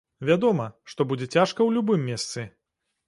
Вядома, што будзе цяжка ў любым месцы.